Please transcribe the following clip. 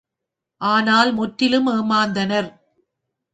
ஆனால் முற்றிலும் ஏமாந்தனர்.